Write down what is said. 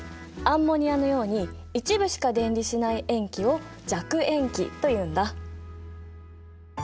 アンモニアのように一部しか電離しない塩基を弱塩基というんだ。